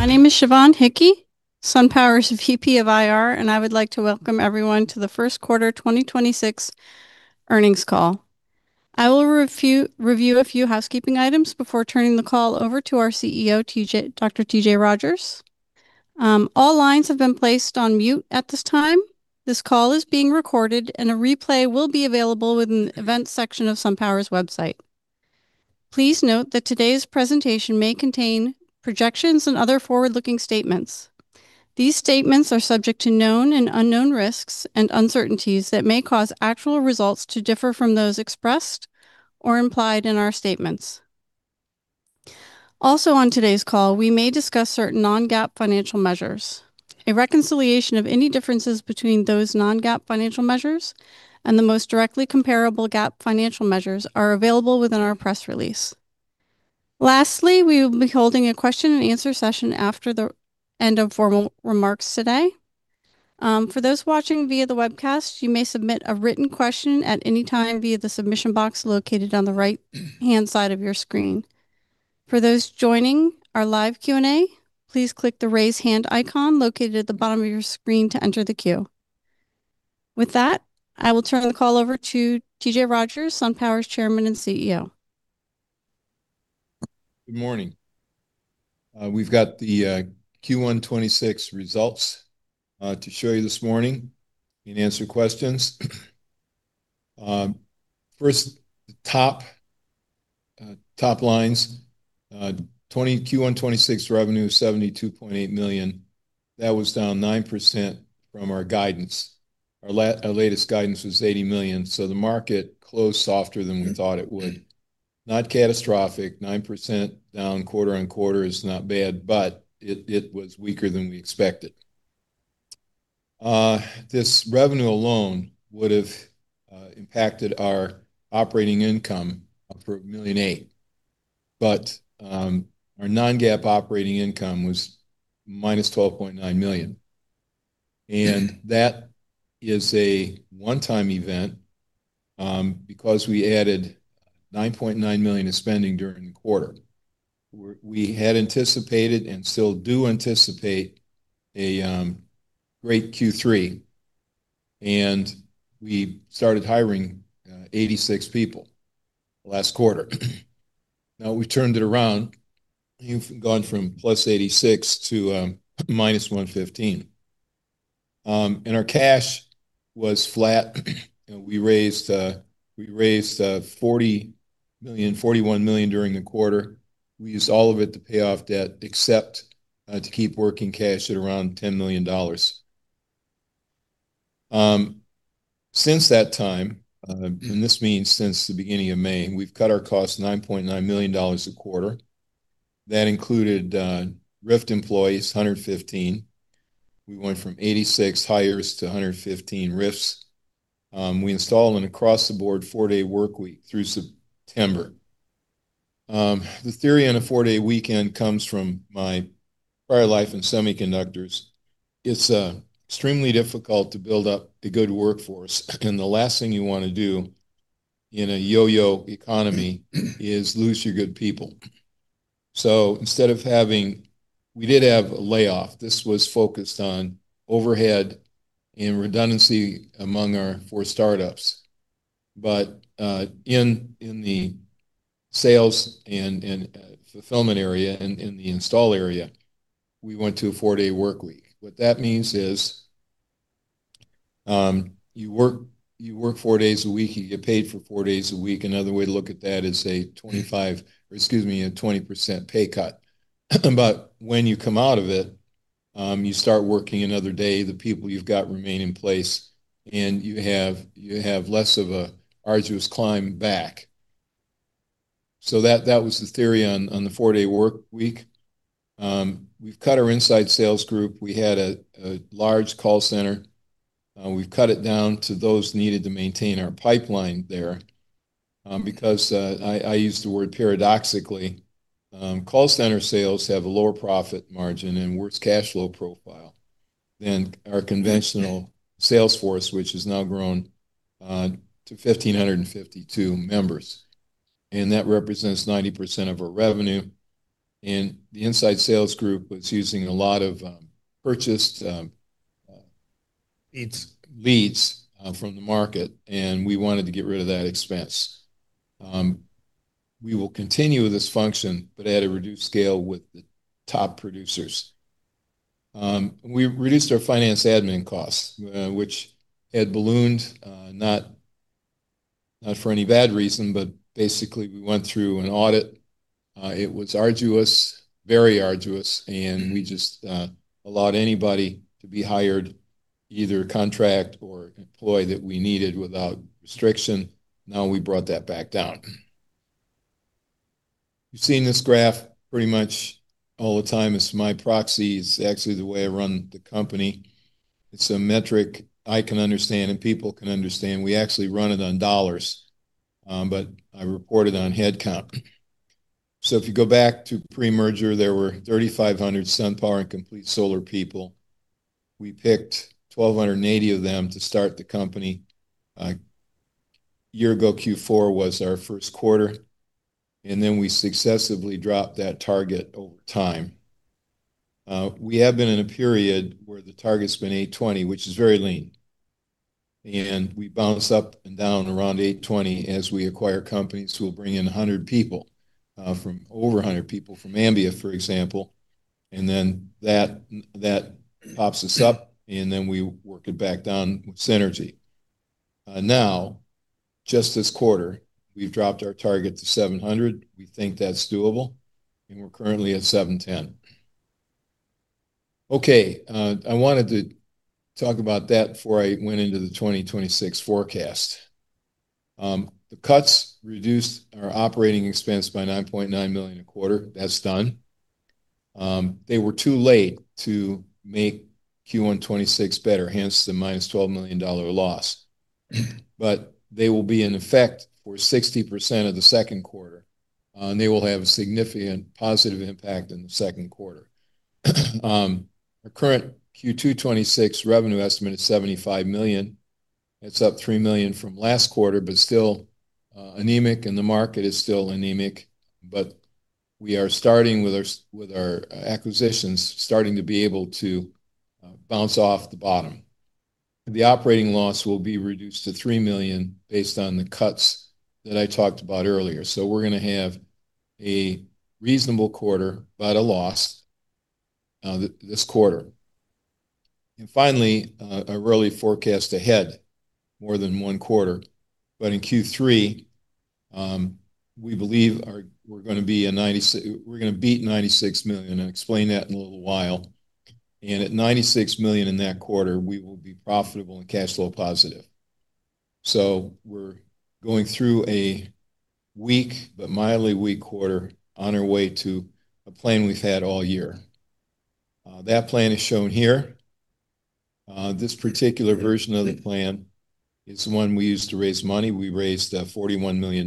My name is Sioban Hickie, SunPower's VP of IR. I would like to Welcome everyone to the first quarter 2026 earnings call. I will review a few housekeeping items before turning the call over to our CEO, T.J. Rodgers. All lines have been placed on mute at this time. This call is being recorded, and a replay will be available within the events section of SunPower's website. Please note that today's presentation may contain projections and other forward-looking statements. These statements are subject to known and unknown risks and uncertainties that may cause actual results to differ from those expressed or implied in our statements. Also on today's call, we may discuss certain non-GAAP financial measures. A reconciliation of any differences between those non-GAAP financial measures and the most directly comparable GAAP financial measures are available within our press release. Lastly, we will be holding a question and answer session after the end of formal remarks today. For those watching via the webcast, you may submit a written question at any time via the submission box located on the right hand side of your screen. For those joining our live Q&A, please click the Raise Hand icon located at the bottom of your screen to enter the queue. With that, I will turn the call over to T.J. Rodgers, SunPower's Chairman and CEO. Good morning. We've got the Q1 2026 results to show you this morning and answer questions. First, top lines, Q1 2026 revenue $72.8 million. That was down 9% from our guidance. Our latest guidance was $80 million, the market closed softer than we thought it would. Not catastrophic. 9% down quarter-over-quarter is not bad, it was weaker than we expected. This revenue alone would have impacted our Operating Income for $1.8 million. Our non-GAAP Operating Income was -$12.9 million, and that is a one-time event because we added $9.9 million in spending during the quarter. We had anticipated and still do anticipate a great Q3, and we started hiring 86 people last quarter. Now we turned it around. We've gone from +86 to -115. Our cash was flat. You know, we raised $40 million, $41 million during the quarter. We used all of it to pay off debt, except to keep working cash at around $10 million. Since that time, this means since the beginning of May, we've cut our costs $9.9 million a quarter. That included RIF'd employees, 115. We went from 86 hires to 115 RIFs. We installed an across-the-board four-day work week through September. The theory on a four-day weekend comes from my prior life in semiconductors. It's extremely difficult to build up a good workforce, and the last thing you wanna do in a yo-yo economy is lose your good people. We did have a layoff. This was focused on overhead and redundancy among our four startups. In the sales and fulfillment area and the install area, we went to a four-day work week. What that means is, you work four days a week, you get paid for four days a week. Another way to look at that is a 25%, or excuse me, a 20% pay cut. When you come out of it, you start working another day, the people you've got remain in place, and you have less of a arduous climb back. That was the theory on the four-day work week. We've cut our inside sales group. We had a large call center. We've cut it down to those needed to maintain our pipeline there, because I use the word paradoxically, call center sales have a lower profit margin and worse cash flow profile than our conventional sales force, which has now grown to 1,552 members, that represents 90% of our revenue. The inside sales group was using a lot of purchased leads from the market, and we wanted to get rid of that expense. We will continue this function, but at a reduced scale with the top producers. We reduced our finance admin costs, which had ballooned, not for any bad reason, but basically we went through an audit. It was arduous, very arduous, and we just allowed anybody to be hired, either contract or employee that we needed without restriction. We brought that back down. You've seen this graph pretty much all the time. It's my proxy. It's actually the way I run the company. It's a metric I can understand and people can understand. We actually run it on dollars, but I report it on headcount. If you go back to pre-merger, there were 3,500 SunPower and Complete Solaria people. We picked 1,280 of them to start the company. Year ago, Q4 was our first quarter, we successively dropped that target over time. We have been in a period where the target's been 820, which is very lean. We bounce up and down around 820 as we acquire companies who will bring in 100 people, from over 100 people from Ambia, for example, and then that pops us up, and then we work it back down with Synergy. Now just this quarter, we've dropped our target to 700. We think that's doable, and we're currently at 710. I wanted to talk about that before I went into the 2026 forecast. The cuts reduced our operating expense by $9.9 million a quarter. That's done. They were too late to make Q1 2026 better, hence the -$12 million loss. They will be in effect for 60% of the second quarter, and they will have a significant positive impact in the second quarter. Our current Q2 2026 revenue estimate is $75 million. It's up $3 million from last quarter, still anemic, and the market is still anemic. We are starting with our acquisitions, starting to be able to bounce off the bottom. The operating loss will be reduced to $3 million based on the cuts that I talked about earlier. We're going to have a reasonable quarter, but a loss this quarter. Finally, an early forecast ahead more than one quarter. In Q3, we believe we're going to beat $96 million. I'll explain that in a little while. At $96 million in that quarter, we will be profitable and cash flow positive. We're going through a weak but mildly weak quarter on our way to a plan we've had all year. That plan is shown here. This particular version of the plan is the one we used to raise money. We raised $41 million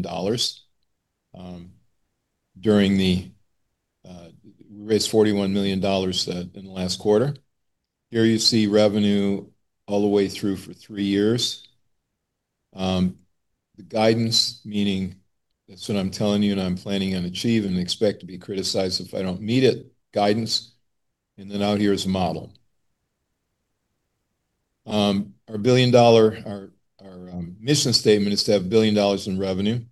in the last quarter. Here you see revenue all the way through for three years. The guidance, meaning that's what I'm telling you and I'm planning on achieving and expect to be criticized if I don't meet it, guidance, and then out here is a model. Our $1 billion, our mission statement is to have $1 billion in revenue,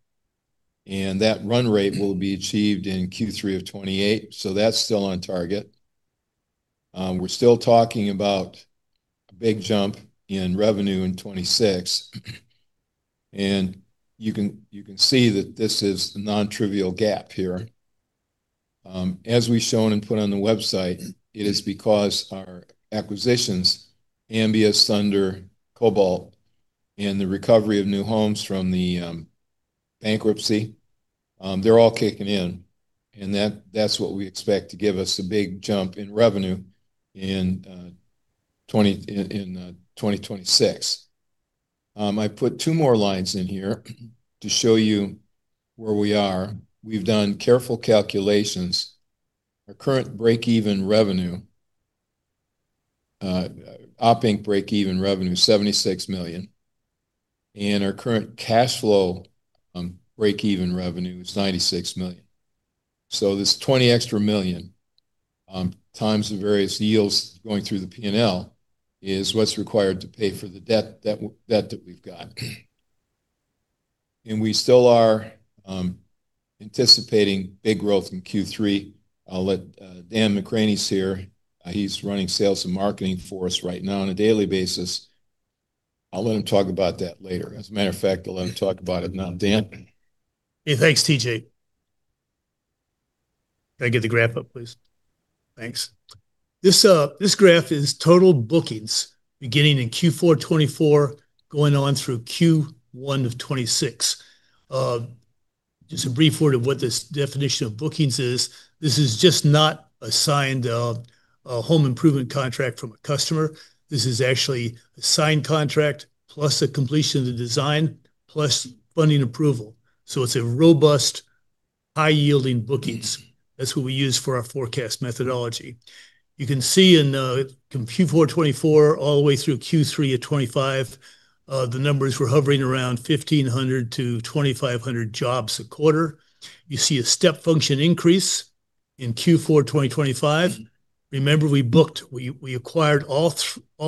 and that run rate will be achieved in Q3 of 2028, so that's still on target. We're still talking about a big jump in revenue in 2026, and you can see that this is the non-trivial gap here. As we've shown and put on the website, it is because our acquisitions, Ambia, Sunder, Cobalt, and the recovery of New Homes from the bankruptcy, they're all kicking in, and that's what we expect to give us a big jump in revenue in 2026. I put two more lines in here to show you where we are. We've done careful calculations. Our current break-even revenue, Operating Income break-even revenue, $76 million, and our current cash flow break-even revenue is $96 million. This $20 million extra, times the various yields going through the P&L is what's required to pay for the debt that we've got. We still are anticipating big growth in Q3. I'll let Dan McCranie's here. He's running sales and marketing for us right now on a daily basis. I'll let him talk about that later. As a matter of fact, I'll let him talk about it now. Dan? Thanks, T.J. Can I get the graph up, please? Thanks. This graph is total bookings beginning in Q4 2024, going on through Q1 of 2026. Just a brief word of what this definition of bookings is. This is just not a signed a home improvement contract from a customer. This is actually a signed contract plus a completion of the design plus funding approval. It's a robust, high-yielding bookings. That's what we use for our forecast methodology. You can see in Q4 2024 all the way through Q3 of 2025, the numbers were hovering around 1,500-2,500 jobs a quarter. You see a step function increase in Q4 2025. Remember, we acquired all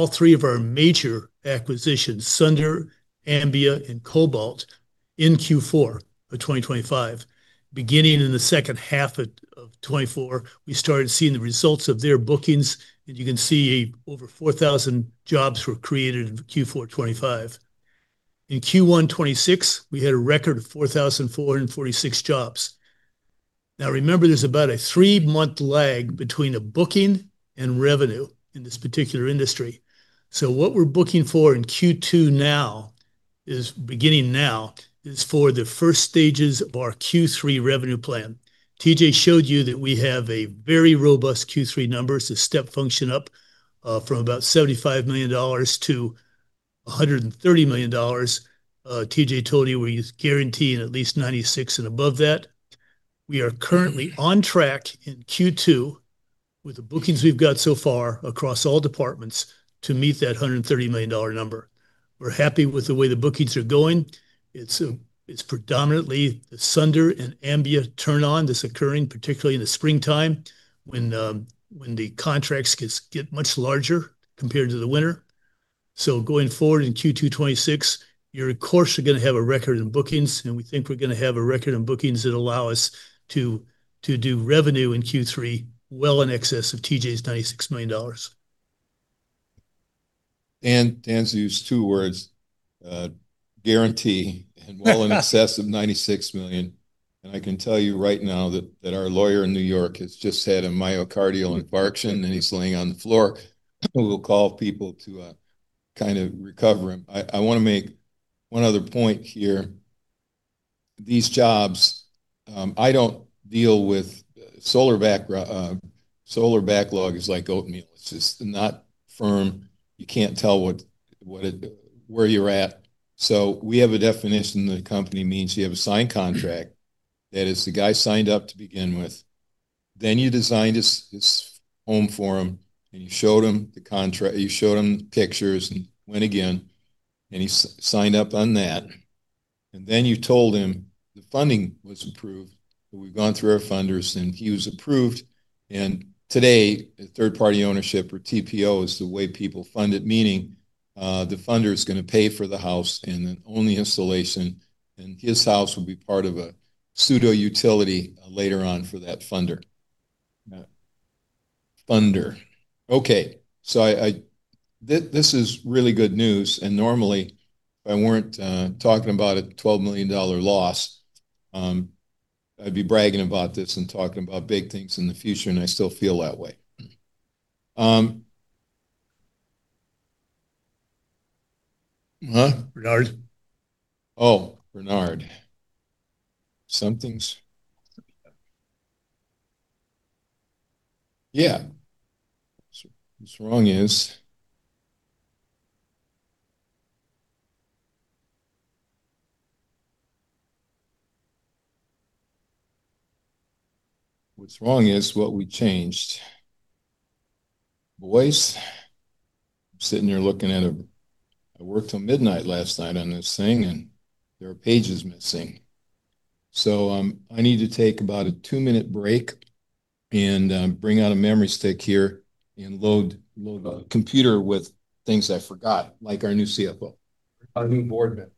three of our major acquisitions, Sunder, Ambia, and Cobalt, in Q4 of 2025. Beginning in the second half of 2024, we started seeing the results of their bookings. You can see over 4,000 jobs were created in Q4 2025. In Q1 2026, we had a record of 4,446 jobs. Remember, there's about a three-month lag between a booking and revenue in this particular industry. What we're booking for in Q2 now is, beginning now, is for the first stages of our Q3 revenue plan. T.J. showed you that we have a very robust Q3 numbers, a step function up, from about $75 million-$130 million. T.J. told you we're guaranteeing at least 96 and above that. We are currently on track in Q2 with the bookings we've got so far across all departments to meet that $130 million number. We're happy with the way the bookings are going. It's predominantly the Sunder and Ambia turn on that's occurring, particularly in the springtime when the contracts get much larger compared to the winter. Going forward in Q2 2026, you're of course gonna have a record in bookings, and we think we're gonna have a record in bookings that allow us to do revenue in Q3 well in excess of T.J.'s $96 million. Dan's used two words, guarantee and well in excess of $96 million. I can tell you right now that our lawyer in New York has just had a myocardial infarction, and he's laying on the floor. We'll call people to kind of recover him. I wanna make one other point here. These jobs, I don't deal with solar backlog is like oatmeal. It's just not firm. You can't tell where you're at. We have a definition the company means you have a signed contract, that is the guy signed up to begin with. You designed his home for him, and you showed him the contract, you showed him pictures and went again, and he signed up on that. You told him the funding was approved. We've gone through our funders, and he was approved. Today, third-party ownership or TPO is the way people fund it, meaning, the funder is gonna pay for the house and then only installation, and his house will be part of a pseudo-utility later on for that funder. Funder okay, this is really good news. Normally, if I weren't talking about a $12 million loss, I'd be bragging about this and talking about big things in the future, and I still feel that way. Huh? Bernard. Bernard. What's wrong is what we changed. Boys, I worked till midnight last night on this thing. There are pages missing. I need to take about a two-minute break and bring out a memory stick here and load a computer with things I forgot, like our new CFO. Our new board member.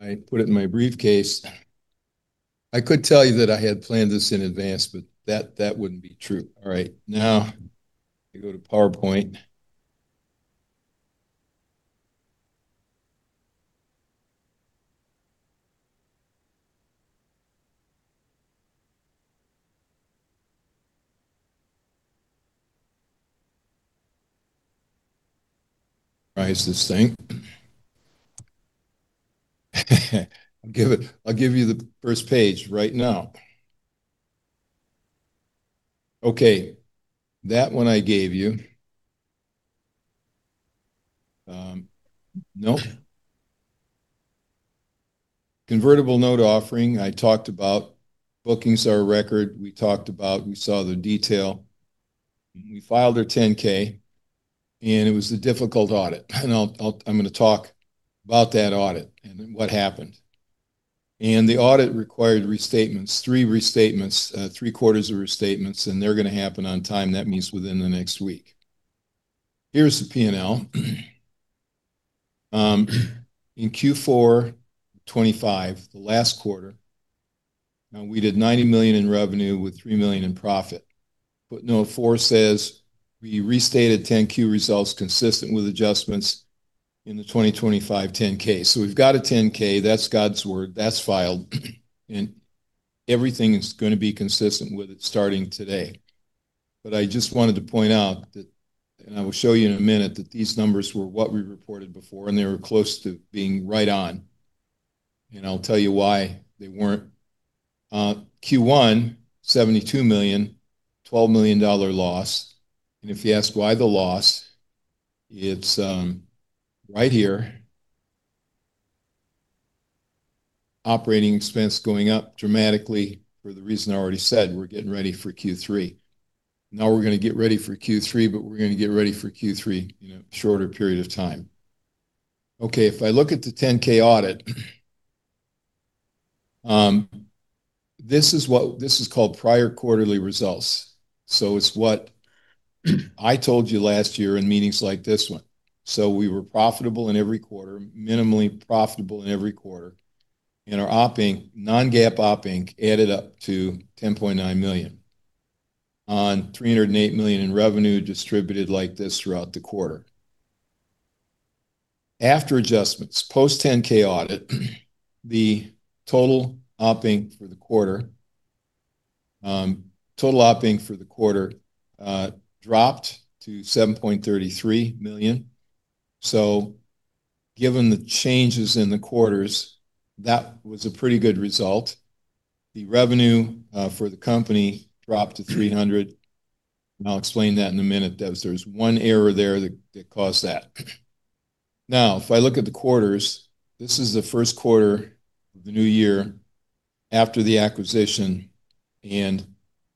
I put it in my briefcase. I could tell you that I had planned this in advance, but that wouldn't be true. All right, now I go to PowerPoint. Rise this thing, I'll give you the first page right now. Okay. That one I gave you, nope. Convertible note offering, I talked about. Bookings are a record we talked about. We saw the detail. We filed our 10-K. It was a difficult audit. I'm gonna talk about that audit and what happened. The audit required restatements, three restatements, three quarters of restatements, and they're gonna happen on time. That means within the next week. Here's the P&L. In Q4 2025, the last quarter, we did $90 million in revenue with $3 million in profit. Note four says we restated 10-Q results consistent with adjustments in the 2025 10-K. We've got a 10-K. That's God's word. That's filed everything is gonna be consistent with it starting today. I just wanted to point out that, and I will show you in a minute, that these numbers were what we reported before, and they were close to being right on, and I'll tell you why they weren't. Q1, $72 million, $12 million loss. If you ask why the loss, it's right here. Operating expense going up dramatically for the reason I already said, we're getting ready for Q3. We're going to get ready for Q3, but we're going to get ready for Q3 in a shorter period of time. If I look at the 10-K audit, this is called prior quarterly results, so it's what I told you last year in meetings like this one. We were profitable in every quarter, minimally profitable in every quarter, and our non-GAAP Operating Income added up to $10.9 million on $308 million in revenue distributed like this throughout the quarter. After adjustments, post-10-K audit, the total Operating Income for the quarter dropped to $7.33 million. Given the changes in the quarters, that was a pretty good result. The revenue for the company dropped to $300, and I'll explain that in a minute. There was one error there that caused that. If I look at the quarters, this is the first quarter of the new year after the acquisition, and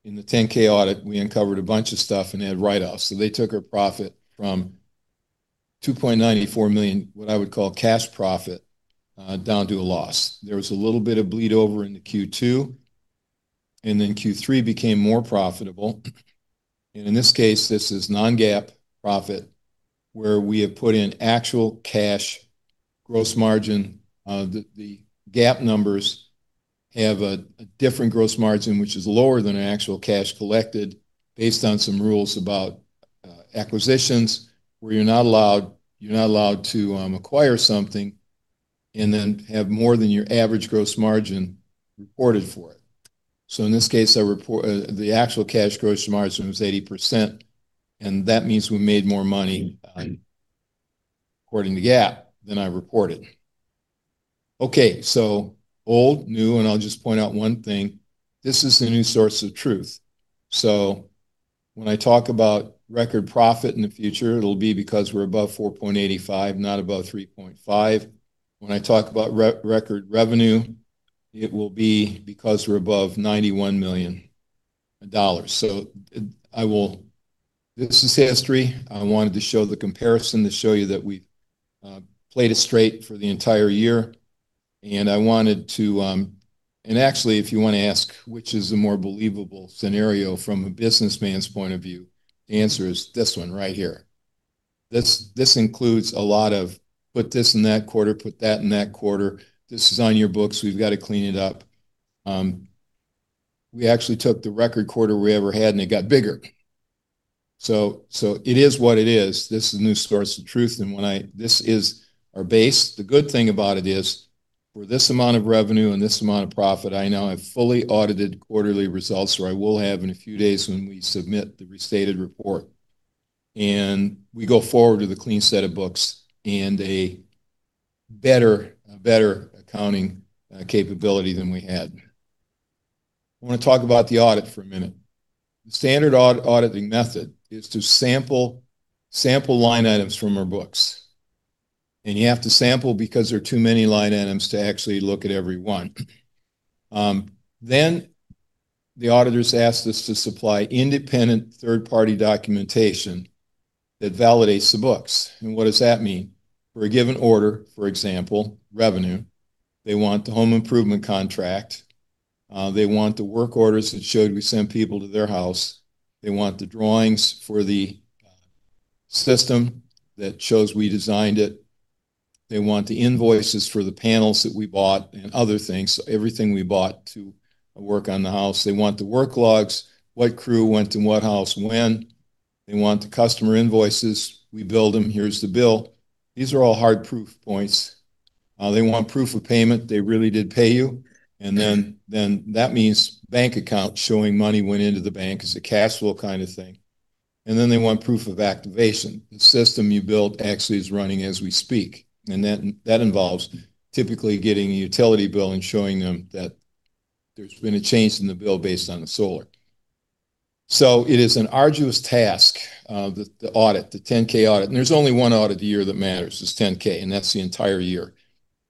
in the 10-K audit, we uncovered a bunch of stuff and they had write-offs. They took our profit from $2.984 million, what I would call cash profit, down to a loss. There was a little bit of bleed over into Q2, and then Q3 became more profitable. In this case, this is non-GAAP profit, where we have put in actual cash gross margin. The GAAP numbers have a different gross margin, which is lower than the actual cash collected based on some rules about acquisitions, where you're not allowed to acquire something and then have more than your average gross margin reported for it. In this case, our report the actual cash gross margin was 80%, and that means we made more money according to GAAP than I reported. Okay old, new, and I'll just point out one thing this is the new source of truth. When I talk about record profit in the future, it'll be because we're above 4.85, not above 3.5. When I talk about record revenue, it will be because we're above $91 million. This is history. I wanted to show the comparison to show you that we played it straight for the entire year, and I wanted to. Actually, if you wanna ask which is the more believable scenario from a businessman's point of view, the answer is this one right here. This includes a lot of put this in that quarter, put that in that quarter. This is on your books, we've got to clean it up. We actually took the record quarter we ever had, and it got bigger. So it is what it is this is the new source of truth this is our base. The good thing about it is for this amount of revenue and this amount of profit, I now have fully audited quarterly results where I will have in a few days when we submit the restated report, and we go forward with a clean set of books and a better accounting capability than we had. I want to talk about the audit for a minute. The standard auditing method is to sample line items from our books, and you have to sample because there are too many line items to actually look at every one. The auditors ask us to supply independent third-party documentation that validates the books. What does that mean? For a given order, for example, revenue, they want the home improvement contract, they want the work orders that showed we sent people to their house, they want the drawings for the system that shows we designed it, they want the invoices for the panels that we bought and other things, so everything we bought to work on the house. They want the work logs, what crew went in what house when. They want the customer invoices. We billed them. Here's the bill. These are all hard proof points. They want proof of payment, they really did pay you. Then that means bank account showing money went into the bank as a cash flow kind of thing. Then they want proof of activation. The system you built actually is running as we speak, and that involves typically getting a utility bill and showing them that there's been a change in the bill based on the solar. It is an arduous task, the audit, the 10-K audit, and there's only one audit a year that matters. It's 10-K, and that's the entire year.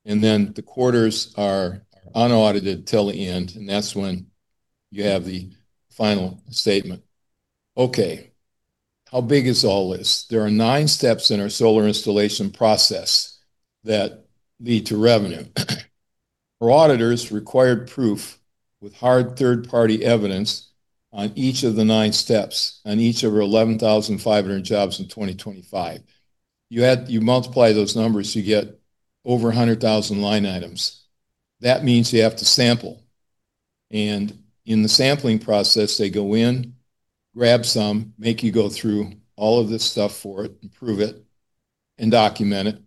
Then the quarters are unaudited till the end, and that's when you have the final statement. Okay. How big is all this? There are nine steps in our solar installation process that lead to revenue. Our auditors required proof with hard third-party evidence on each of the nine steps, on each of our 11,500 jobs in 2025. You multiply those numbers, you get over 100,000-line items. That means you have to sample. In the sampling process, they go in, grab some, make you go through all of this stuff for it and prove it and document it.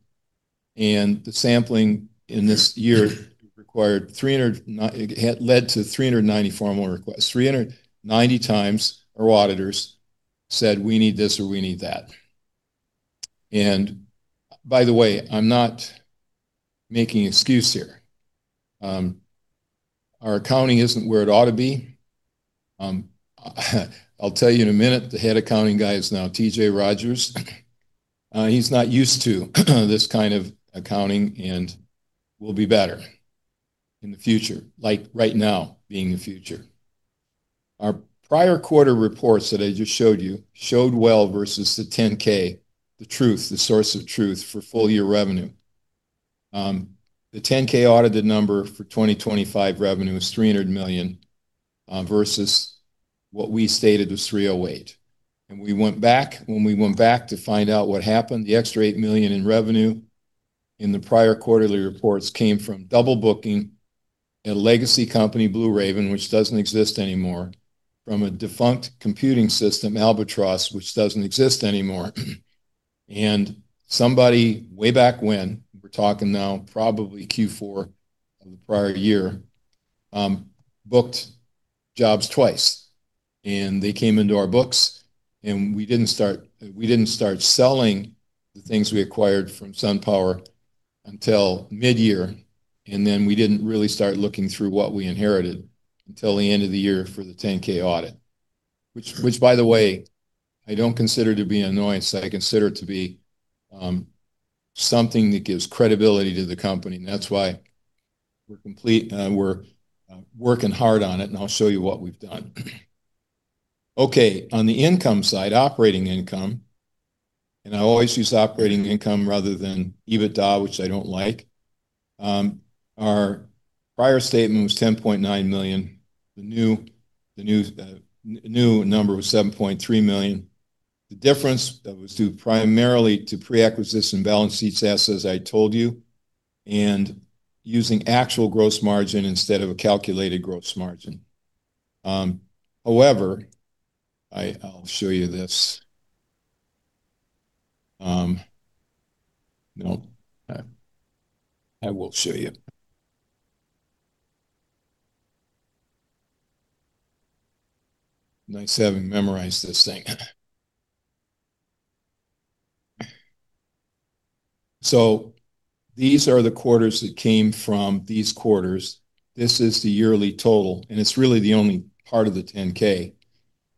The sampling in this year required 309 it led to 390 formal requests. 390x our auditors said, "We need this," or "We need that." By the way, I'm not making excuse here. Our accounting isn't where it ought to be. I'll tell you in a minute, the head accounting guy is now T.J. Rodgers. He's not used to this kind of accounting and will be better in the future. Like right now being the future. Our prior quarter reports that I just showed you showed well versus the 10-K, the truth, the source of truth for full year revenue. The 10-K audited number for 2025 revenue was $300 million versus what we stated was $308 million. When we went back to find out what happened, the extra $8 million in revenue in the prior quarterly reports came from double booking a legacy company, Blue Raven, which doesn't exist anymore, from a defunct computing system, Albatross, which doesn't exist anymore. Somebody way back when, we're talking now probably Q4 of the prior year, booked jobs twice, and they came into our books, and we didn't start selling the things we acquired from SunPower until midyear, and then we didn't really start looking through what we inherited until the end of the year for the 10-K audit. Which by the way, I don't consider to be annoyance. I consider it to be something that gives credibility to the company. That's why we're working hard on it. I'll show you what we've done. Okay, on the income side, Operating Income, I always use Operating Income rather than EBITDA, which I don't like. Our prior statement was $10.9 million. The new number was $7.3 million. The difference that was due primarily to pre-acquisition balance sheet assets, as I told you, using actual gross margin instead of a calculated gross margin. However, I'll show you this. I will show you. Nice having memorized this thing. These are the quarters that came from these quarters. This is the yearly total. It's really the only part of the 10-K.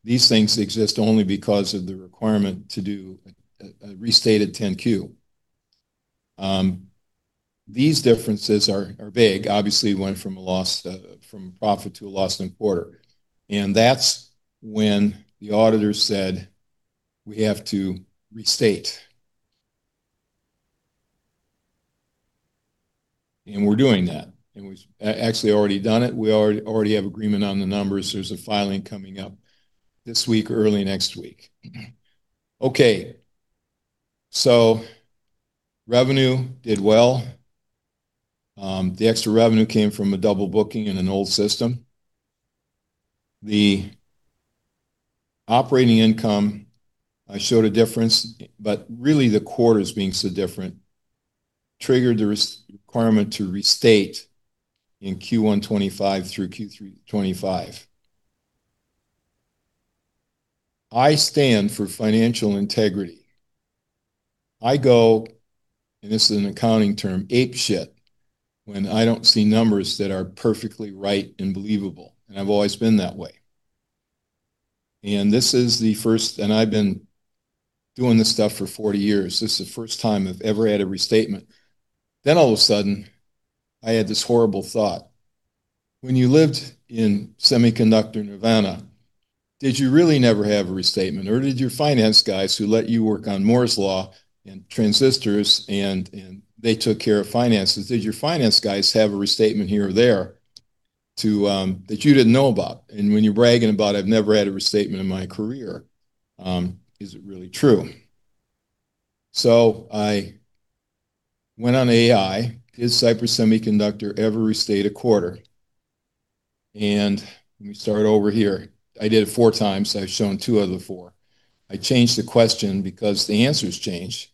These things exist only because of the requirement to do a restated 10-Q. These differences are big. Obviously, it went from a loss from profit to a loss in a quarter. That's when the auditors said, "We have to restate." We're doing that, and we've actually already done it. We already have agreement on the numbers. There's a filing coming up this week or early next week. Okay, revenue did well. The extra revenue came from a double booking in an old system. The Operating Income, I showed a difference, but really the quarters being so different triggered the requirement to restate in Q1 2025 through Q3 2025. I stand for financial integrity. I go, and this is an accounting term, ape shit, when I don't see numbers that are perfectly right and believable, and I've always been that way. I've been doing this stuff for 40 years. This is the first time I've ever had a restatement. All of a sudden, I had this horrible thought. When you lived in semiconductor nirvana, did you really never have a restatement, or did your finance guys who let you work on Moore's Law and transistors and they took care of finances, did your finance guys have a restatement here or there to that you didn't know about? When you're bragging about, "I've never had a restatement in my career," is it really true? I went on AI, "Is Cypress Semiconductor ever restate a quarter?" Let me start over here. I did it 4x, i've shown two of the four. I changed the question because the answers changed,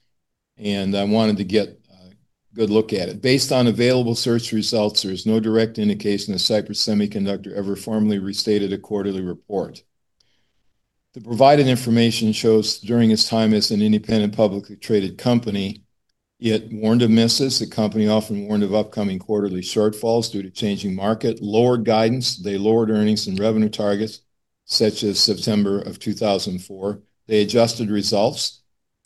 and I wanted to get a good look at it. Based on available search results, there is no direct indication that Cypress Semiconductor ever formally restated a quarterly report. The provided information shows during its time as an independent, publicly traded company, it warned of misses. The company often warned of upcoming quarterly shortfalls due to changing market, lowered guidance. They lowered earnings and revenue targets, such as September of 2004. They adjusted results.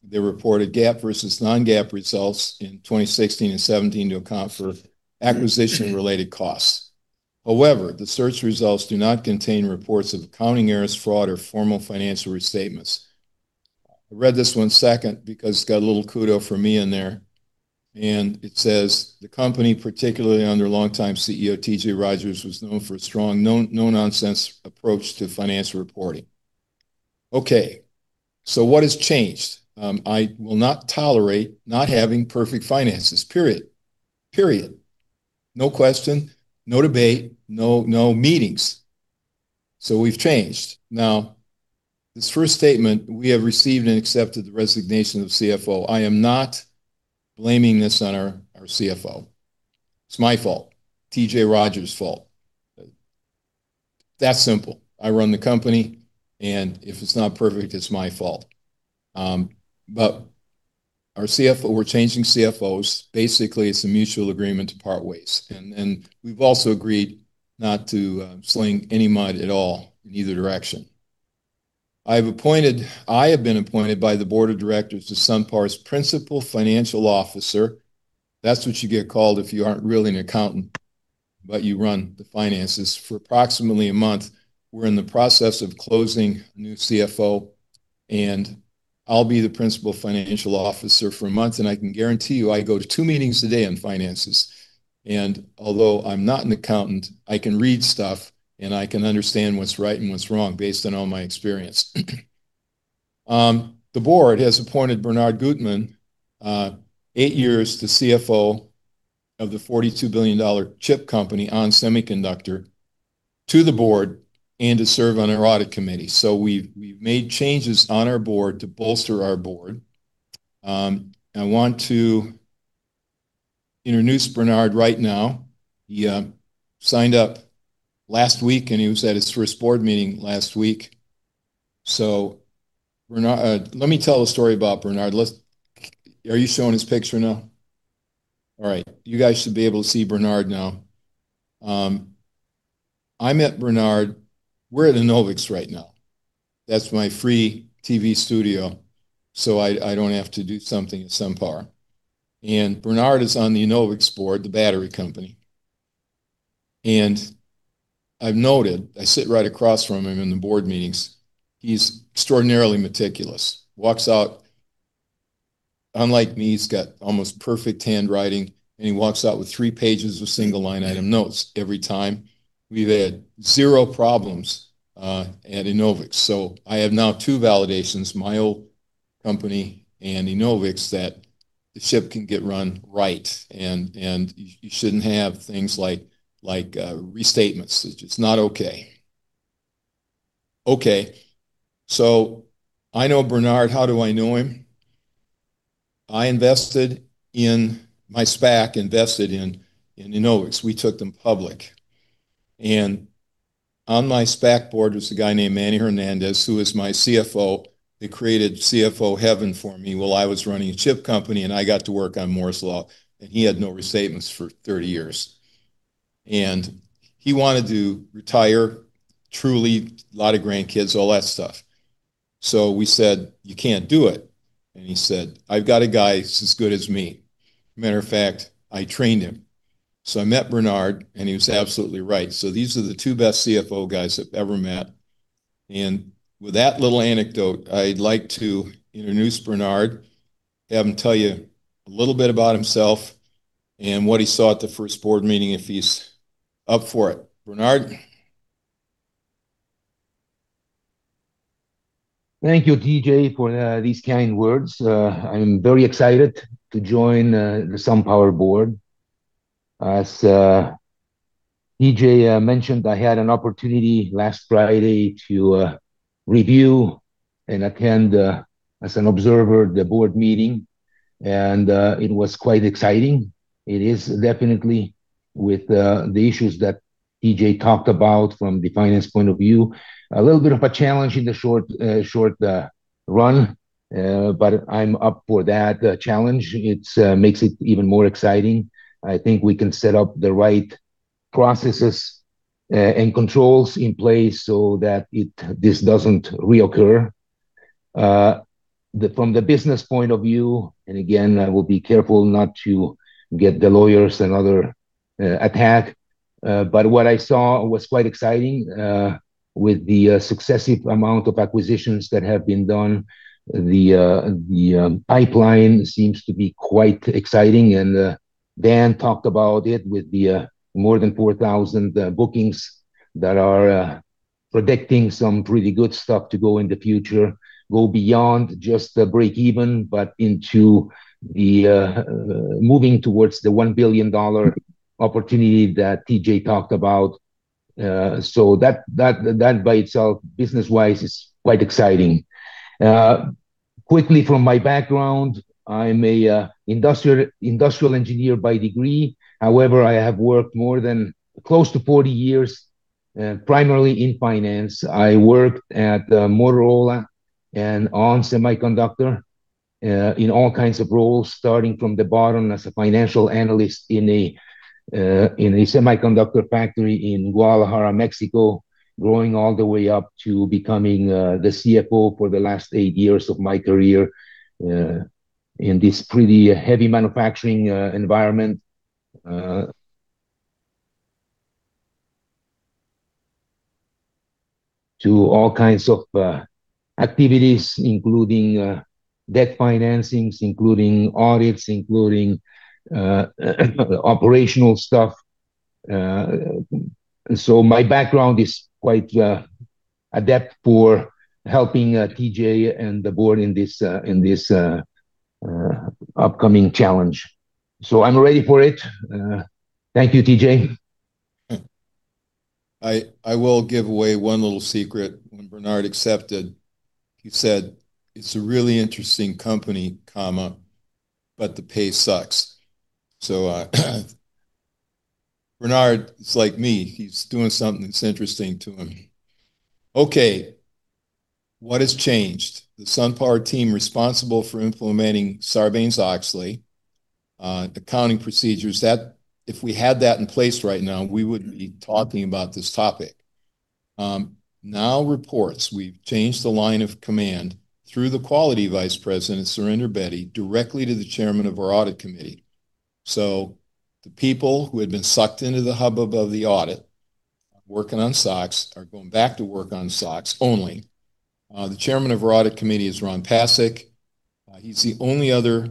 They reported GAAP versus non-GAAP results in 2016 and 2017 to account for acquisition-related costs. However, the search results do not contain reports of accounting errors, fraud, or formal financial restatements. I read this 1 second because it's got a little kudo for me in there. It says, "The company, particularly under longtime CEO T.J. Rodgers, was known for a strong, no-nonsense approach to financial reporting." What has changed? I will not tolerate not having perfect finances, period. Period. No question, no debate, no meetings. We've changed. now this first statement, we have received and accepted the resignation of CFO. I am not blaming this on our CFO. It's my fault, T.J. Rodgers' fault. That simple. I run the company, and if it's not perfect, it's my fault. We're changing CFOs. It's a mutual agreement to part ways and we've also agreed not to sling any mud at all in either direction. I have been appointed by the Board of Directors to SunPower's principal financial officer. That's what you get called if you aren't really an accountant, but you run the finances for approximately a month. We're in the process of closing a new CFO, I'll be the principal financial officer for a month, I can guarantee you, I go to two meetings a day on finances. Although I'm not an accountant, I can read stuff and I can understand what's right and what's wrong based on all my experience. The board has appointed Bernard Gutmann, eight years the CFO of the $42 billion chip company ON Semiconductor, to the board and to serve on our Audit Committee. We've made changes on our board to bolster our board. I want to introduce Bernard right now. He signed up last week; he was at his first board meeting last week. Let me tell a story about Bernard. Are you showing his picture now? All right. You guys should be able to see Bernard now. I met Bernard. We're at Enovix right now. That's my free TV studio, so I don't have to do something at SunPower. Bernard is on the Enovix board, the battery company. I've noted, I sit right across from him in the board meetings, he's extraordinarily meticulous. Walks out, unlike me, he's got almost perfect handwriting, and he walks out with three pages of single line item notes every time. We've had zero problems at Enovix. I have now two validations, my old company and Enovix, that the ship can get run right and you shouldn't have things like restatements. It's just not okay. Okay, I know Bernard. How do I know him? Im invested in my SPAC invested in Enovix. We took them public. On my SPAC board was a guy named Manny Hernandez, who was my CFO. They created CFO heaven for me while I was running a chip company, and I got to work on Moore's Law, and he had no restatements for 30 years. He wanted to retire truly, lot of grandkids, all that stuff. We said, "You can't do it." He said, "I've got a guy who's as good as me. Matter of fact, I trained him." I met Bernard Gutmann, and he was absolutely right. These are the two best CFO guys I've ever met. With that little anecdote, I'd like to introduce Bernard, have him tell you a little bit about himself and what he saw at the first board meeting, if he's up for it. Bernard? Thank you, T.J., for these kind words. I'm very excited to join the SunPower board. As T.J. mentioned, I had an opportunity last Friday to review and attend as an observer the board meeting and it was quite exciting. It is definitely with the issues that T.J. talked about from the finance point of view, a little bit of a challenge in the short run. I'm up for that challenge. It makes it even more exciting. I think we can set up the right processes and controls in place so that this doesn't reoccur. From the business point of view, again, I will be careful not to get the lawyers and other attack, what I saw was quite exciting. With the successive amount of acquisitions that have been done, the pipeline seems to be quite exciting and Dan talked about it with the more than 4,000 bookings that are predicting some pretty good stuff to go in the future. Go beyond just the break-even, but into the moving towards the $1 billion opportunity that T.J. talked about. That by itself, business-wise, is quite exciting. Quickly from my background, I'm a industrial engineer by degree. However, I have worked more than close to 40 years, primarily in finance. I worked at Motorola and ON Semiconductor in all kinds of roles, starting from the bottom as a financial analyst in a semiconductor factory in Guadalajara, Mexico, growing all the way up to becoming the CFO for the last eight years of my career in this pretty heavy manufacturing environment to all kinds of activities, including debt financings, including audits, including operational stuff. My background is quite adept for helping TJ and the board in this upcoming challenge. I'm ready for it. Thank you, TJ. I will give away one little secret. When Bernard Gutmann accepted, he said, "It's a really interesting company, but the pay sucks." Bernard Gutmann is like me. He's doing something that's interesting to him. What has changed? The SunPower team responsible for implementing Sarbanes-Oxley accounting procedures, if we had that in place right now, we wouldn't be talking about this topic. Now reports we've changed the line of command through the quality Vice President, Surinder Bedi, directly to the Chairman of our Audit Committee. The people who had been sucked into the hubbub of the audit working on SOX are going back to work on SOX only. The Chairman of our Audit Committee is Ron Pasek. He's the only other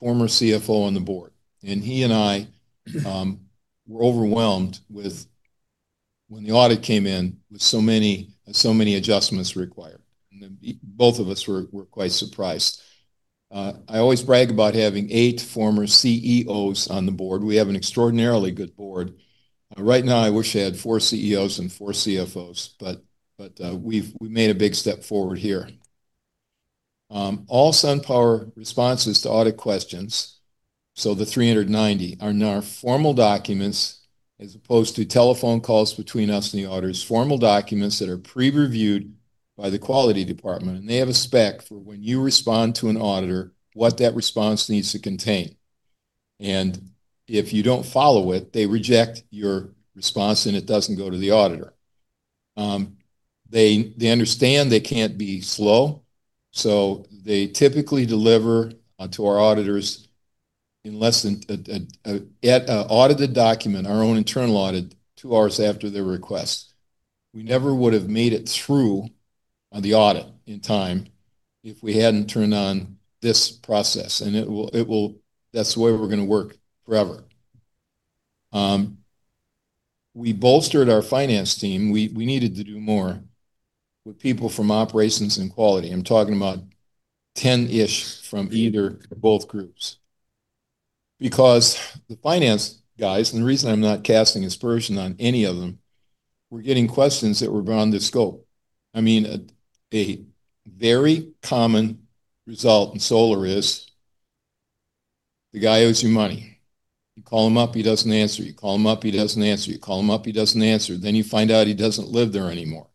former CFO on the board, and he and I were overwhelmed with when the audit came in with so many adjustments required. Both of us were quite surprised. I always brag about having eight former CEOs on the board. We have an extraordinarily good board. Right now I wish I had four CEOs and four CFOs, but we made a big step forward here. All SunPower responses to audit questions, so the 390, are now formal documents as opposed to telephone calls between us and the auditors. Formal documents that are pre-reviewed by the quality department, and they have a spec for when you respond to an auditor, what that response needs to contain. If you don't follow it, they reject your response, and it doesn't go to the auditor. They understand they can't be slow, so they typically deliver an audited document, our own internal audit, two hours after the request. We never would have made it through the audit in time if we hadn't turned on this process, and it will That's the way we're gonna work forever. We bolstered our finance team. We needed to do more with people from operations and quality. I'm talking about 10-ish from either or both groups. Because the finance guys, and the reason I'm not casting aspersion on any of them, were getting questions that were beyond their scope. I mean, a very common result in solar is the guy owes you money. You call him up, he doesn't answer. You call him up, he doesn't answer. You call him up, he doesn't answer. You find out he doesn't live there anymore.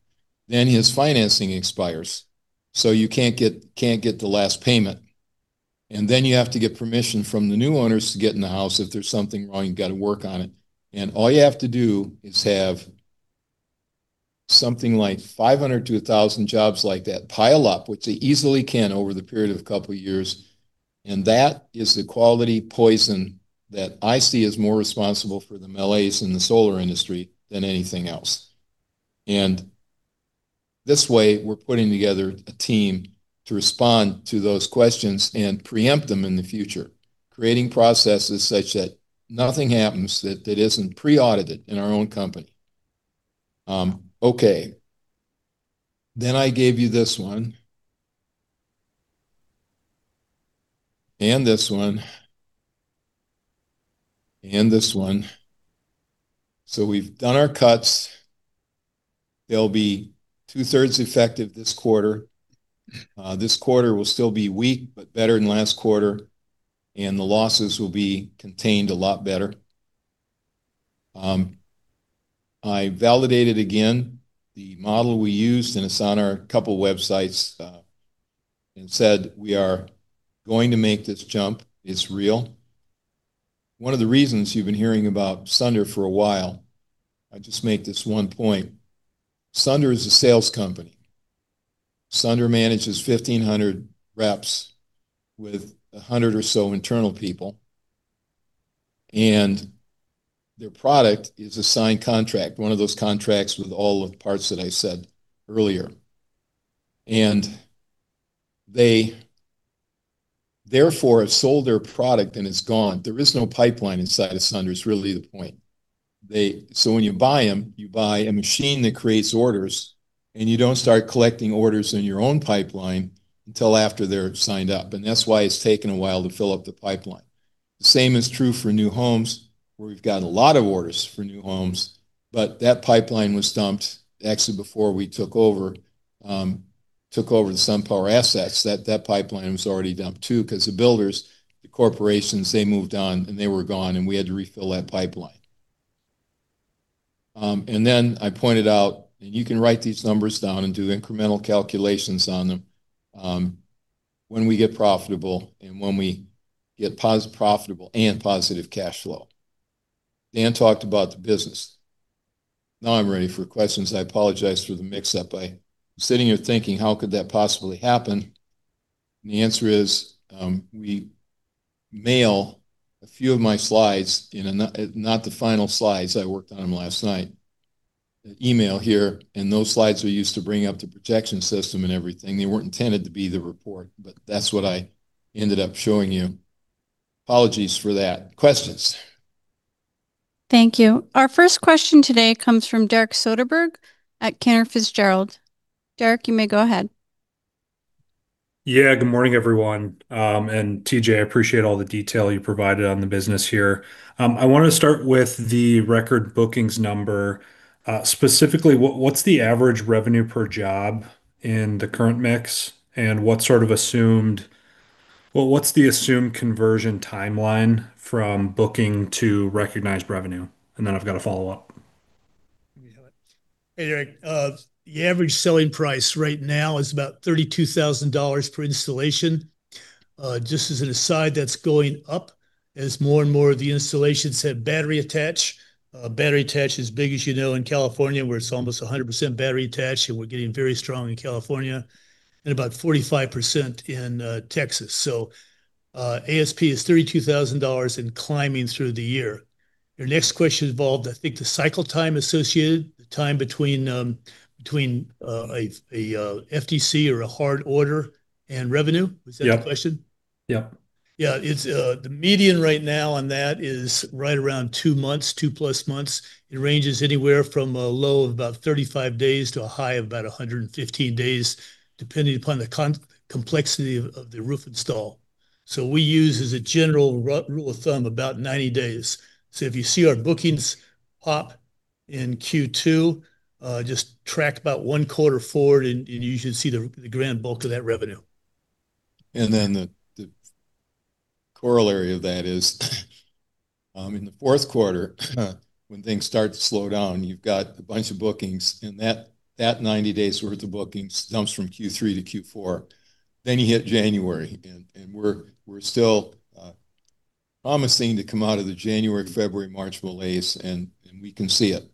His financing expires, so you can't get the last payment. And then you have to get permission from the new owners to get in the house. If there's something wrong, you've got to work on it. All you have to do is have something like 500-1,000 jobs like that pile up, which they easily can over the period of a couple of years, and that is the quality poison that I see is more responsible for the malaise in the solar industry than anything else. This way, we're putting together a team to respond to those questions and preempt them in the future, creating processes such that nothing happens that isn't pre-audited in our own company. Okay, I gave you this one and this one and this one. We've done our cuts. They'll be two-thirds effective this quarter. This quarter will still be weak but better than last quarter, and the losses will be contained a lot better. I validated again the model we used, and it's on our couple websites, and said we are going to make this jump. It's real. One of the reasons you've been hearing about Sunder for a while, I just make this one point. Sunder is a sales company. Sunder manages 1,500 reps with 100 or so internal people, and their product is a signed contract, one of those contracts with all of the parts that I said earlier. They therefore have sold their product, and it's gone. There is no pipeline inside of Sunder Energy, is really the point. When you buy them, you buy a machine that creates orders, and you don't start collecting orders in your own pipeline until after they're signed up, and that's why it's taken a while to fill up the pipeline. The same is true for New Homes, where we've gotten a lot of orders for New Homes, but that pipeline was dumped actually before we took over, took over the SunPower assets. That pipeline was already dumped too because the builders, the corporations, they moved on, and they were gone, and we had to refill that pipeline. Then I pointed out, and you can write these numbers down and do incremental calculations on them, when we get profitable and when we get profitable and positive cash flow. Dan talked about the business. Now I'm ready for questions. I apologize for the mix-up. I'm sitting here thinking, "How could that possibly happen?" The answer is, we mail a few of my slides in a not the final slides. I worked on them last night. The email here, those slides we used to bring up the protection system and everything. They weren't intended to be the report, but that's what I ended up showing you. Apologies for that, questions? Thank you. Our first question today comes from Derek Soderberg at Cantor Fitzgerald. Derek, you may go ahead. Yeah. Good morning, everyone. T.J., I appreciate all the detail you provided on the business here. I wanna start with the record bookings number. Specifically, what's the average revenue per job in the current mix, what's the assumed conversion timeline from booking to recognized revenue? I've got a follow-up. You have it. Hey, Derek. The average selling price right now is about $32,000 per installation. Just as an aside, that's going up as more and more of the installations have battery attach. Battery attach is big, as you know, in California, where it's almost 100% battery attach, and we're getting very strong in California. About 45% in Texas. ASP is $32,000 and climbing through the year. Your next question involved, I think, the cycle time associated, the time between FTC or a hard order and revenue. Yeah. Was that the question? Yeah. It's the median right now on that is right around two months, 2+ months. It ranges anywhere from a low of about 35 days to a high of about 115 days, depending upon the complexity of the roof install. We use as a general rule of thumb about 90 days. If you see our bookings pop in Q2, just track about one quarter forward and you should see the grand bulk of that revenue. The corollary of that is, in the fourth quarter, when things start to slow down, you've got a bunch of bookings, and that 90 days worth of bookings jumps from Q3-Q4. You hit January and we're still, promising to come out of the January, February, March malaise, and we can see it.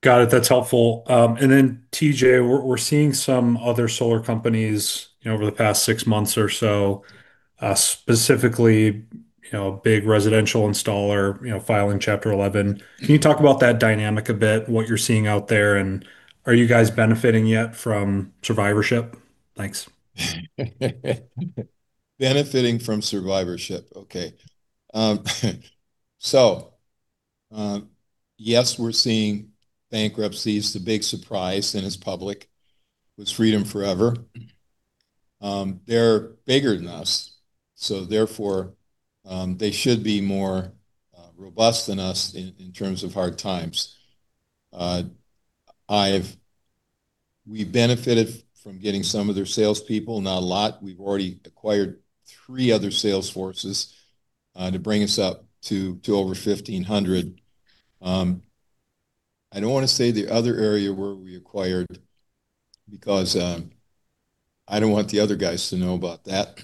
Got it. That's helpful. and then TJ, we're seeing some other solar companies, you know, over the past six months or so, specifically, you know a big residential installer, you know filing Chapter 11. Can you talk about that dynamic a bit, what you're seeing out there, and are you guys benefiting yet from survivorship? Thanks. Benefiting from survivorship. Yes, we're seeing bankruptcies. The big surprise, and it's public, was Freedom Forever. They're bigger than us, they should be more robust than us in terms of hard times. We benefited from getting some of their salespeople. Not a lot. We've already acquired 3 other sales forces to bring us up to over 1,500. I don't wanna say the other area where we acquired because I don't want the other guys to know about that.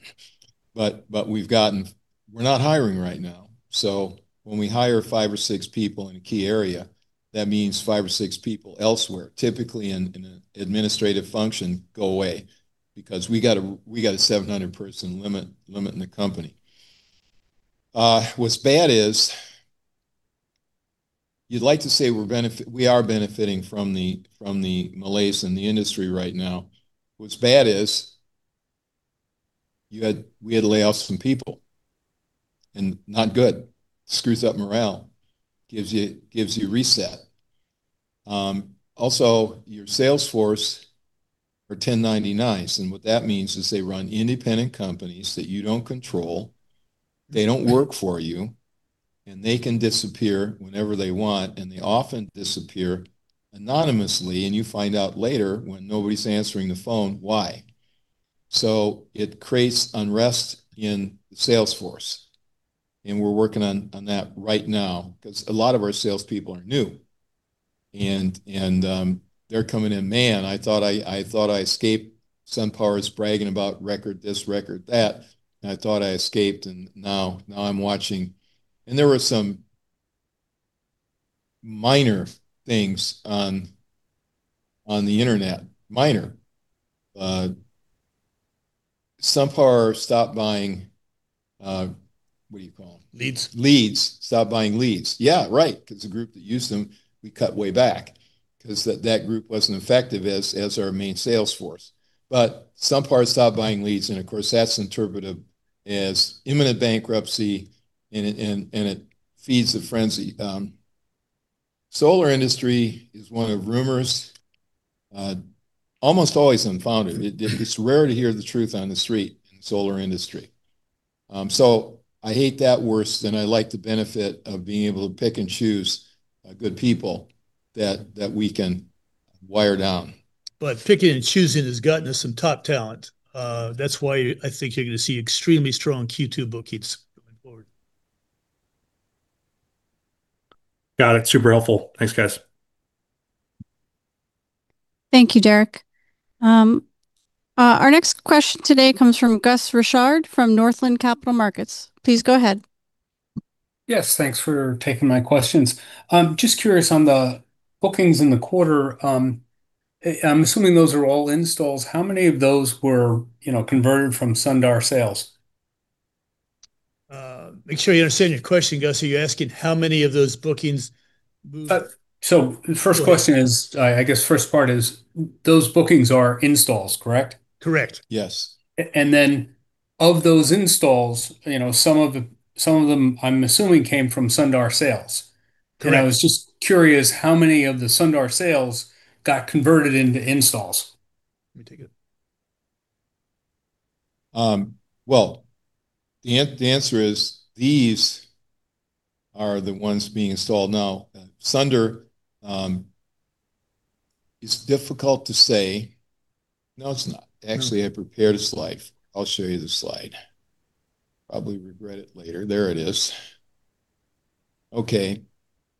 We're not hiring right now, so when we hire five or six people in a key area, that means five or six people elsewhere, typically in an administrative function, go away because we got a 700-person limit in the company. What's bad is you'd like to say we are benefiting from the malaise in the industry right now. What's bad is we had to lay off some people, not good. Screws up morale, gives you reset. Also, your sales force are 1099s, what that means is they run independent companies that you don't control. They don't work for you, they can disappear whenever they want, they often disappear anonymously, you find out later when nobody's answering the phone why. It creates unrest in the sales force; we're working on that right now cause a lot of our salespeople are new. They're coming in, "Man, I thought I escaped. SunPower's bragging about record this, record that. I thought I escaped, now I'm watching. There were some minor things on the internet. Minor, SunPower stopped buying, what do you call them? Leads. Leads. Stopped buying leads. Yeah, right, cause the group that used them, we cut way back cause that group wasn't effective as our main sales force. SunPower stopped buying leads, and of course that's interpreted as imminent bankruptcy, and it feeds the frenzy solar industry is one of rumors, almost always unfounded. It's rare to hear the truth on the street in solar industry. So, I hate that worse than I like the benefit of being able to pick and choose good people that we can wire down. Picking and choosing has gotten us some top talent. That's why I think you're gonna see extremely strong Q2 bookings coming forward. Got it. Super helpful. Thanks, guys. Thank you, Derek. Our next question today comes from Gus Richard from Northland Capital Markets. Please go ahead. Yes. Thanks for taking my questions. Just curious on the bookings in the quarter. I'm assuming those are all installs. How many of those were, you know converted from Sunder Energy sales? Make sure I understand your question, Gus. Are you asking how many of those bookings- First question is, I guess first part is those bookings are installs, correct? Correct. Yes. Then of those installs, you know, some of them I'm assuming came from Sunder sales. Correct. I was just curious how many of the Sunder Energy sales got converted into installs? Let me take it. Well, the answer is these are the ones being installed now. Sunder Energy is difficult to say no, it's not. Actually, I prepared a slide, I'll show you the slide. Probably regret it later. There it is okay,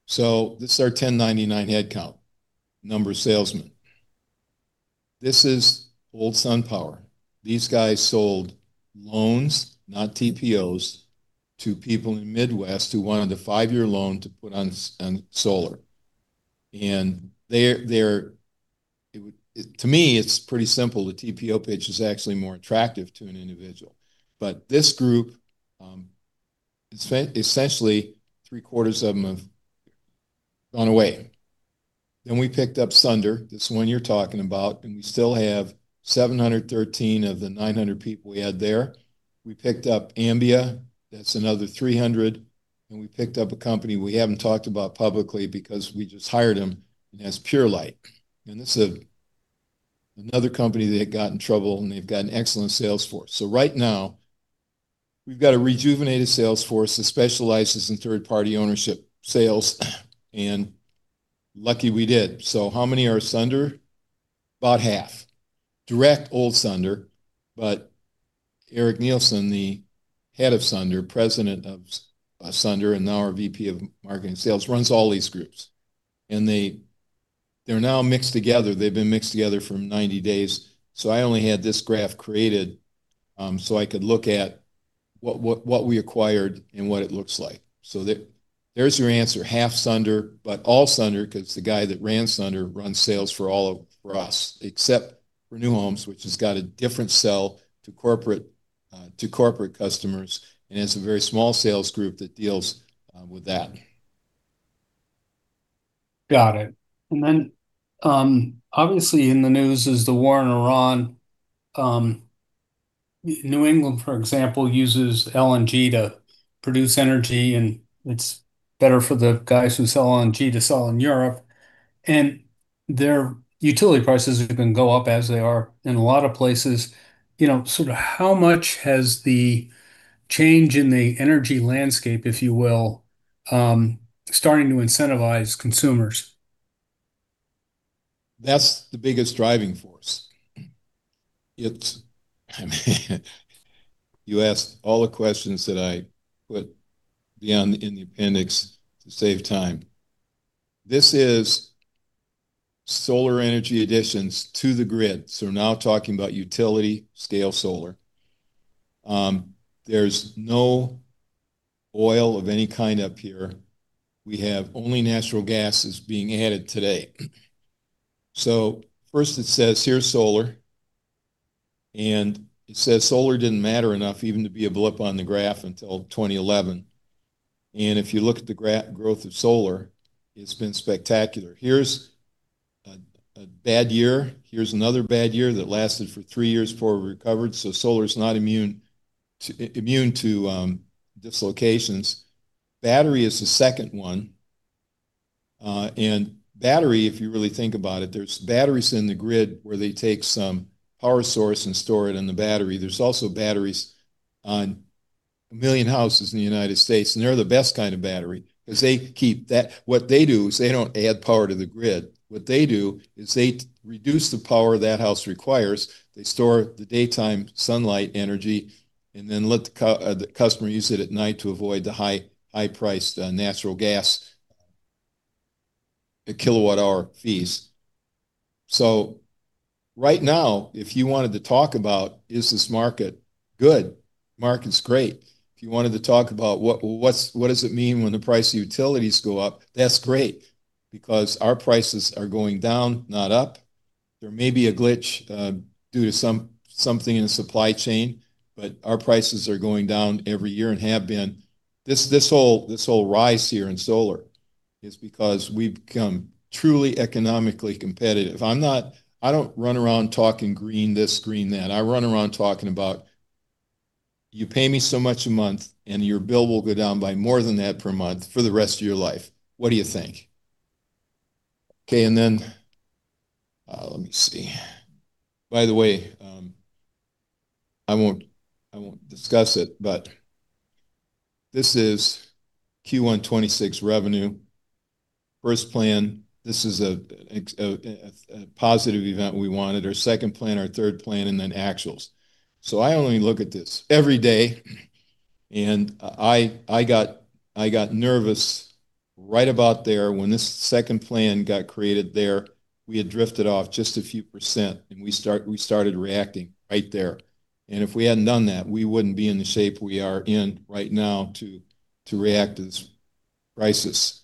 this is our 1099 head count, number of salesmen. This is old SunPower. These guys sold loans, not TPOs, to people in the Midwest who wanted a fiv-year loan to put on solar, and they're to me, it's pretty simple. The TPO pitch is actually more attractive to an individual. This group, it's essentially three-quarters of them have gone away. We picked up Sunder, this one you're talking about, and we still have 713 of the 900 people we had there. We picked up Ambia, that's another 300, and we picked up a company we haven't talked about publicly because we just hired them, and that's Purelight. This is another company that had got in trouble. They've got an excellent sales force. Right now, we've got a rejuvenated sales force that specializes in third-party ownership sales, and lucky we did. How many are Sunder? About half. Direct old Sunder, but Eric Nielsen, the head of Sunder, President of Sunder, and now our VP of Marketing and Sales, runs all these groups. They're now mixed together. They've been mixed together for 90 days. I only had this graph created so I could look at what we acquired and what it looks like. There's your answer. Half Sunder, but all Sunder cause the guy that ran Sunder runs sales for us, except for New Homes, which has got a different sell to corporate customers, and it's a very small sales group that deals with that. Got it. Then, obviously in the news is the war in Iran. New England, for example, uses LNG to produce energy, and it's better for the guys who sell LNG to sell in Europe, and their utility prices are gonna go up as they are in a lot of places. You know, sort of how much has the change in the energy landscape, if you will, starting to incentivize consumers? That's the biggest driving force. I mean, you asked all the questions that I put down in the appendix to save time. This is Solar Energy additions to the grid, so now talking about utility scale solar. There's no oil of any kind up here. We have only natural gas is being added today. First it says, "Here's solar," it says solar didn't matter enough even to be a blip on the graph until 2011. If you look at the growth of solar, it's been spectacular. Here's a bad year. Here's another bad year that lasted for three years before it recovered, so solar is not immune to dislocations. Battery is the second one. Battery, if you really think about it, there's batteries in the grid where they take some power source and store it in the battery. There's also batteries on a million houses in the United States. They're the best kind of battery because they keep that. What they do is they don't add power to the grid. What they do is they reduce the power that house requires. They store the daytime sunlight energy, let the customer use it at night to avoid the high, high-priced natural gas, the kilowatt-hour fees. Right now, if you wanted to talk about is this market good, market's great. If you wanted to talk about what does it mean when the price of utilities go up, that's great because our prices are going down, not up. There may be a glitch due to something in the supply chain. Our prices are going down every year and have been. This whole rise here in solar is because we've become truly economically competitive. I don't run around talking green this, green that. I run around talking about, "You pay me so much a month, and your bill will go down by more than that per month for the rest of your life. What do you think?" Okay then, let me see. By the way, I won't discuss it. This is Q1 2026 revenue. First plan, this is a positive event we wanted, our second plan, our third plan, then actuals. I only look at this every day, and I got nervous right about there when this second plan got created there. We had drifted off just a few percent, and we started reacting right there. If we hadn't done that, we wouldn't be in the shape we are in right now to react to this crisis.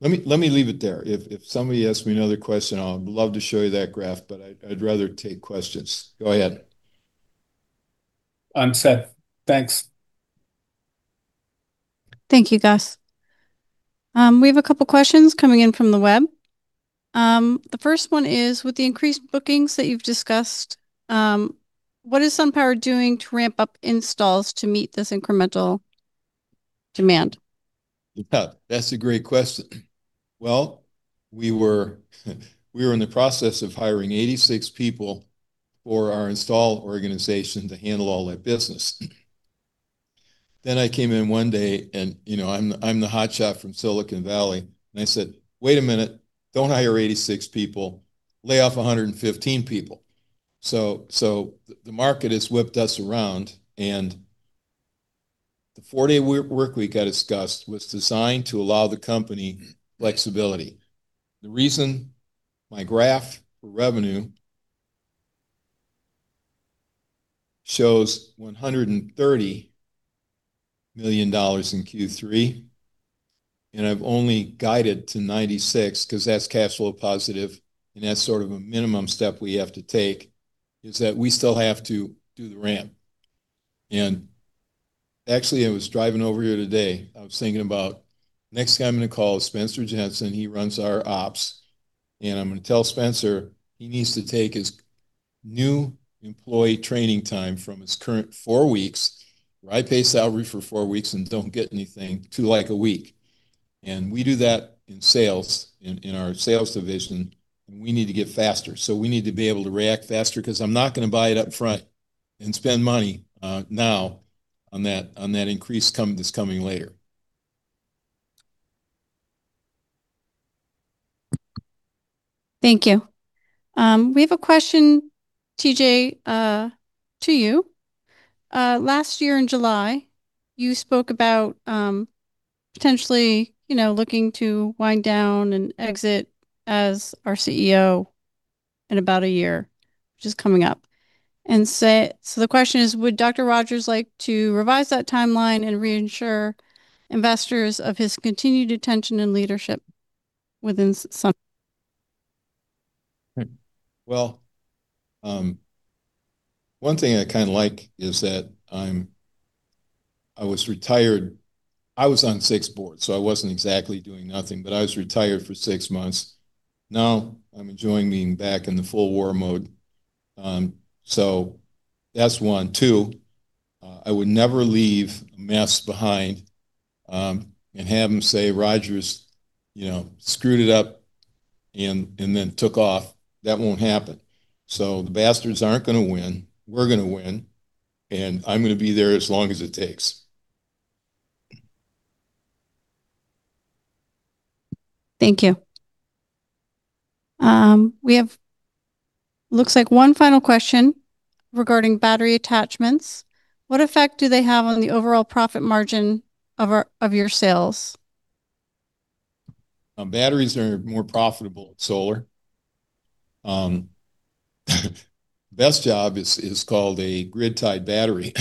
Let me leave it there. If somebody asks me another question, I would love to show you that graph, but I'd rather take questions. Go ahead. I'm set. Thanks. Thank you, Gus. We have a couple questions coming in from the web. The first one is, "With the increased bookings that you've discussed, what is SunPower doing to ramp up installs to meet this incremental demand? Yeah, that's a great question. Well, we were in the process of hiring 86 people for our install organization to handle all that business. I came in one day and, you know, I'm the hotshot from Silicon Valley, and I said, "Wait a minute, don't hire 86 people, lay off 115 people." The market has whipped us around and the four-day workweek I discussed was designed to allow the company flexibility. The reason my graph revenue shows $130 million in Q3, and I've only guided to $96 million, cause that's cash flow positive and that's sort of a minimum step we have to take, is that we still have to do the ramp. Actually I was driving over here today, I was thinking about next guy I'm going to call is Spencer Jensen, he runs our ops, and I'm going to tell Spencer he needs to take his new employee training time from his current four weeks, where I pay salary for four weeks and don't get anything, to like a week. We do that in sales, in our sales division, and we need to get faster. We need to be able to react faster, because I'm not going to buy it up front and spend money now on that increase that's coming later. Thank you. We have a question, T.J., to you. Last year in July you spoke about, potentially, you know, looking to wind down and exit as our CEO in about a year, which is coming up. The question is, would Dr. Rodgers like to revise that timeline and reinsure investors of his continued attention and leadership within SunPower? Well, one thing I kinda like is that I was retired. I was on six boards, so I wasn't exactly doing nothing, but I was retired for six months. Now I'm enjoying being back in the full war mode. That's one, two, I would never leave a mess behind and have them say, "Rodgers, you know, screwed it up and then took off." That won't happen. The bastard aren't gonna win, we're gonna win, and I'm gonna be there as long as it takes. Thank you. We have looks like one final question regarding battery attachments. "What effect do they have on the overall profit margin of your sales? Batteries are more profitable at solar. Best job is called a grid-tied battery.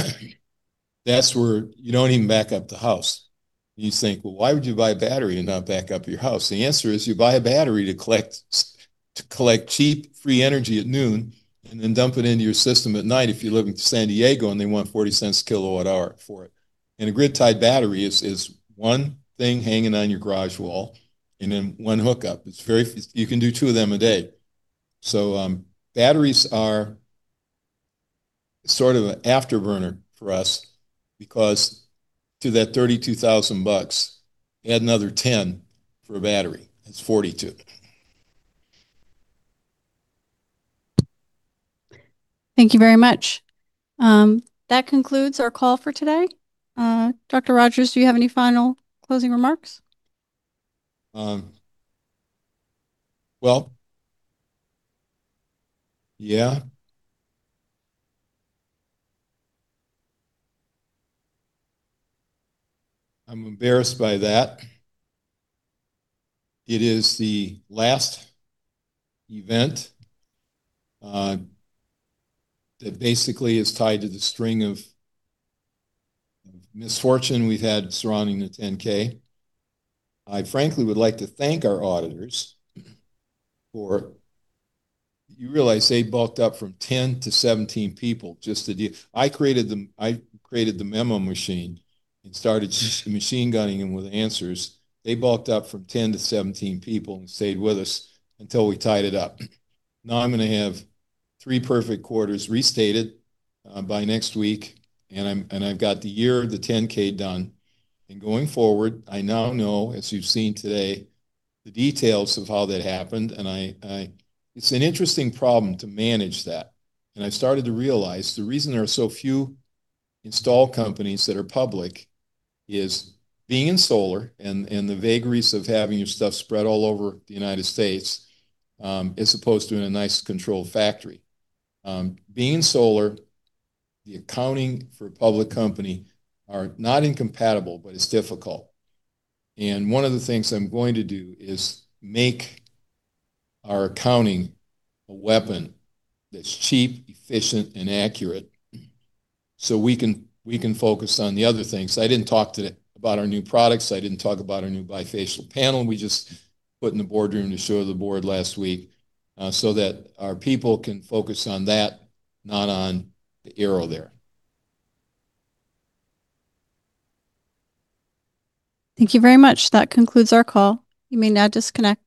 That's where you don't even back up the house. You think, "Well, why would you buy a battery and not back up your house?" The answer is you buy a battery to collect cheap, free energy at noon, and then dump it into your system at night if you live in San Diego and they want $0.40 a kWh for it. A grid-tied battery is one thing hanging on your garage wall and then one hookup. It's very you can do two of them a day. Batteries are sort of an afterburner for us because to that $32,000, add another $10,000 for a battery, that's $42,000. Thank you very much. That concludes our call for today. Dr. Rodgers, do you have any final closing remarks? Well, yeah. I'm embarrassed by that. It is the last event that basically is tied to the string of misfortune we've had surrounding the 10-K. I frankly would like to thank our auditors for. You realize they bulked up from 10-17 people just to do I created the memo machine and started machine-gunning them with answers. They bulked up from 10-17 people and stayed with us until we tied it up. Now I'm gonna have three perfect quarters restated by next week and I've got the year of the 10-K done. Going forward I now know, as you've seen today, the details of how that happened and it's an interesting problem to manage that. I've started to realize the reason there are so few install companies that are public is being solar, and the vagaries of having your stuff spread all over the U.S., as opposed to in a nice, controlled factory. Being solar, the accounting for a public company are not incompatible, but it's difficult. One of the things I'm going to do is make our accounting a weapon that's cheap, efficient, and accurate so we can focus on the other things. I didn't talk today about our new products, I didn't talk about our new bifacial panel we just put in the boardroom to show the board last week, so that our people can focus on that, not on the error. Thank you very much. That concludes our call. You may now disconnect.